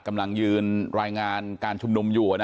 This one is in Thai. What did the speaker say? กำลังยืนรายงานการชุมนุมอยู่